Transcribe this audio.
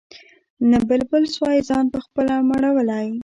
نه بلبل سوای ځان پخپله مړولای